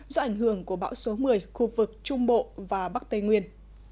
do ảnh hưởng của bão số một mươi khu vực trung bộ và bắc tây nguyên